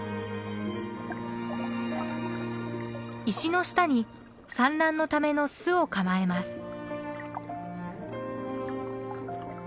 石の下に産卵のための巣を構えます。